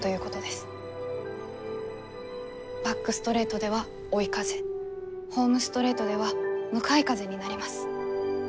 バックストレートでは追い風ホームストレートでは向かい風になります。